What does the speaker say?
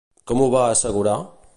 Com ho va assegurar?